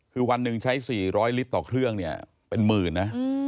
คือวันหนึ่งใช้๔๐๐ลิตรต่อเครื่องเนี่ยเป็นหมื่นนะ